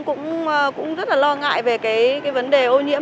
cho nên là cũng rất là lo ngại về cái vấn đề ô nhiễm